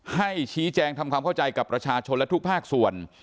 ให้ชี้แจงทำความเข้าใจกับประชาชนและทุกภาคส่วน